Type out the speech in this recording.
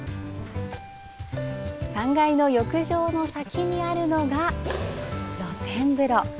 ３階の浴場の先にあるのが露天風呂。